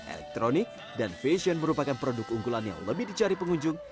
elektronik dan fashion merupakan produk unggulan yang lebih dicari pengunjung